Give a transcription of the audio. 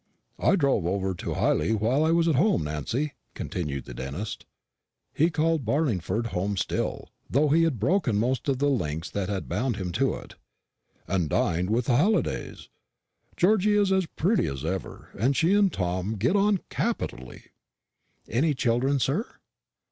"I drove over to Hyley while I was at home, Nancy," continued the dentist he called Barlingford home still, though he had broken most of the links that had bound him to it "and dined with the Hallidays. Georgy is as pretty as ever, and she and Tom get on capitally." "Any children, sir?"